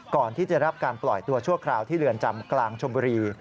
ก่อนที่จะรับการปล่อยตัวชั่วคราวที่เรือนจำกลางชมบุรี